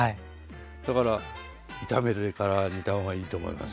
だから炒めてから煮た方がいいと思います。